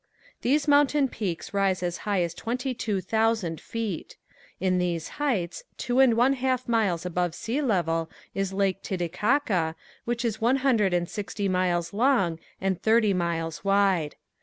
These mountain peaks rise as high as twenty two thousand feet. In these heights, two and one half miles above sea level is Lake Titicaca, which is one hundred and sixty miles long and thirty miles wide.